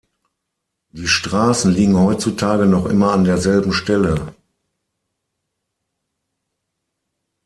Die Straßen liegen heutzutage noch immer an derselben Stelle.